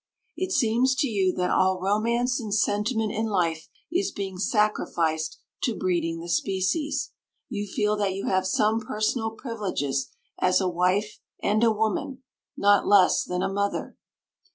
It seems to you that all romance and sentiment in life is being sacrificed to breeding the species. You feel that you have some personal privileges as a wife and a woman, not less than a mother.